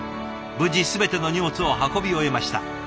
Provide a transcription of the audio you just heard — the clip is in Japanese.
無事全ての荷物を運び終えました。